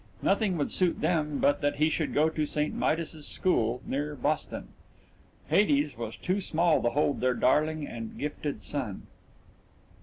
Nothing would suit them but that he should go to St. Midas's School near Boston Hades was too small to hold their darling and gifted son.